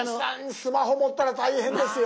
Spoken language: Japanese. スマホ持ったら大変ですよ。